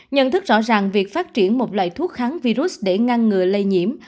nhận thức rõ ràng việc phát triển một loại thuốc kháng virus để ngăn ngừa lây nhiễm